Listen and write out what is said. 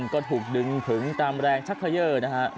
ก็ถูกดึงผึงตามแรงชักเขย่อนะครับ